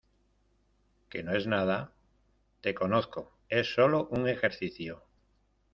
¿ que no es nada? te conozco. es solo un ejercicio